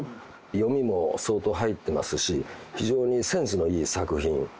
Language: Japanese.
読みも相当入ってますし、非常にセンスのいい作品。